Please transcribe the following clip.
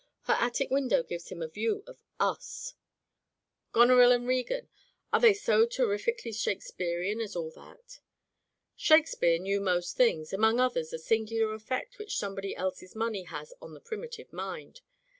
Her attic window gives him a view of us:' "Goneril and Regan — are they so terrifi cally Shakespearian as all that ?" "Shakespeare knew most things — ^among others the singular effect which somebody else's money has on the primitive mind.